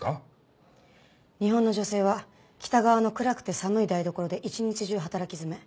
日本の女性は北側の暗くて寒い台所で一日中働き詰め。